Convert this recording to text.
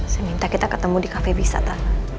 saya minta kita ketemu di kafe wisata